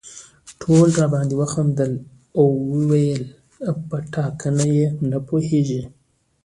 ټولو راباندې وخندل او ویې ویل په ټاکنه نه پوهېږي.